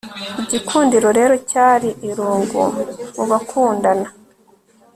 Igikundiro rero cyari irungu mubakundana